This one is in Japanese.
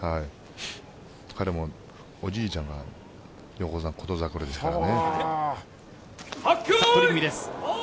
彼のおじいちゃんが横綱・琴櫻ですからね。